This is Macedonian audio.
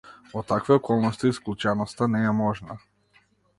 Во такви околности исклученоста не е можна.